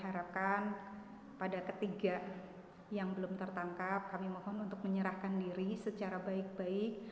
harapkan pada ketiga yang belum tertangkap kami mohon untuk menyerahkan diri secara baik baik